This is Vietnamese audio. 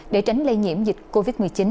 để tránh lây nhiễm dịch covid một mươi chín